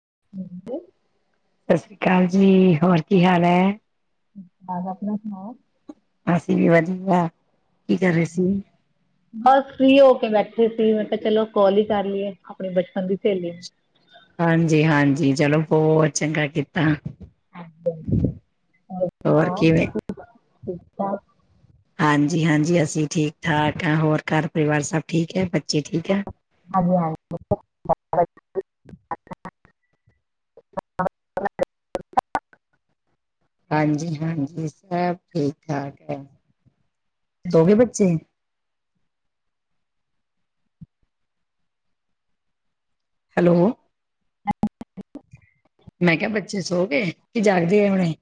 [unintelligible] ਸਤਿ ਸ੍ਰੀ ਅਕਾਲ ਜੀ ਹੋਰ ਕੀ ਹਾਲ ਐ ਠੀਕ ਠਾਕ ਆਪਣਾ ਸੁਣਾਓ ਅਸੀਂ ਵੀ ਵਧੀਆ ਕੀ ਕਰ ਰਹੇ ਸੀ ਬਸ ਫਰੀ ਹੋ ਕੇ ਬੈਠੇ ਸੀ ਮੈਂ ਕਿਹਾ ਚਲੋ ਕਾਲ ਹੀ ਕਰ ਲਈਏ ਆਪਣੇ ਬਚਪਨ ਦੀ ਸਹੇਲੀ ਨੂੰ ਹਾਂਜੀ ਹਾਂਜੀ ਚਲੋ ਬਹੁਤ ਚੰਗਾ ਕੀਤਾ ਹਾਂਜੀ ਹਾਂਜੀ ਹੋਰ ਸੁਣਾਓ [unintelligible] ਠੀਕ ਠਾਕ ਹਾਂਜੀ ਹਾਂਜੀ ਅਸੀਂ ਠੀਕ ਠਾਕ ਹਾਂ ਹੋਰ ਘਰ ਪਰਿਵਾਰ ਸਭ ਠੀਕ ਏ ਜੀ ਠੀਕ ਆ ਹਾਂਜੀ ਹਾਂਜੀ। [inaudible] ਹਾਂਜੀ ਹਾਂਜੀ ਸਭ ਠੀਕ ਠਾਕ ਹੈ ਸੋਗੇ ਬੱਚੇ ਹੈ ਹੈਲੋ ਮੈਂ ਕਿਹਾ ਬੱਚੇ ਸੋ ਗਏ ਕਿ ਜਾਗਦੇ ਆ ਹੁਣੇ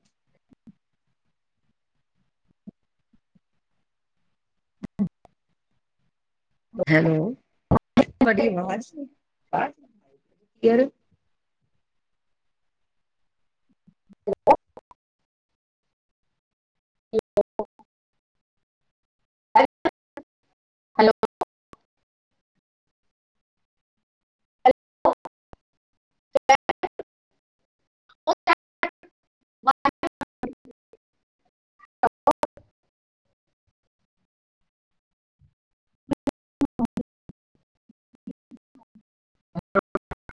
ਹੈਲੋ ਤੁਹਾਡੀ ਆਵਾਜ਼ [inaudible] ਹੈਲੋ [unintelligible] ਚ [inaudible] [unintelligible] ਅੱ [unintelligible]